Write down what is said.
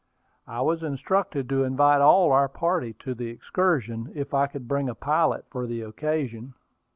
I was instructed to invite all our party to the excursion, if I could bring a pilot for the occasion.